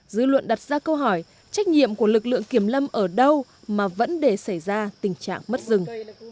dư luận đặt ra câu hỏi trách nhiệm của lực lượng kiểm lâm ở đâu mà vẫn để xảy ra tình trạng mất rừng